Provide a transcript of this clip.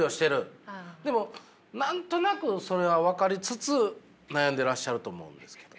でも何となくそれは分かりつつ悩んでらっしゃると思うんですけど。